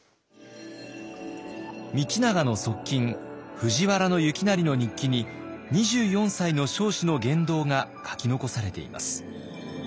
道長の側近藤原行成の日記に２４歳の彰子の言動が書き残されています。